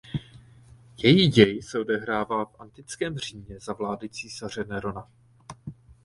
Její děj se odehrává v antickém Římě za vlády císaře Nerona.